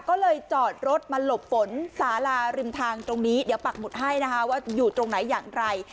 ก็เลยจอดรถมาหลบฝนสาลาริมทางตรงนี้เดี๋ยวปักหมุดให้นะคะว่าอยู่ตรงไหนอย่างไร